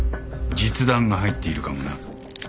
実弾が入っているかもな。